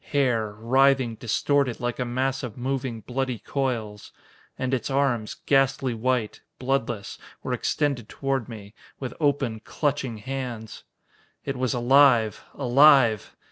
Hair writhing, distorted like a mass of moving, bloody coils. And its arms, ghastly white, bloodless, were extended toward me, with open, clutching hands. It was alive! Alive!